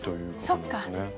そっか。